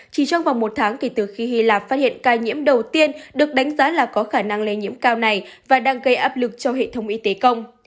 chỉ trong vòng một tháng kể từ khi hy lạp phát hiện ca nhiễm đầu tiên được đánh giá là có khả năng lây nhiễm cao này và đang gây áp lực cho hệ thống y tế công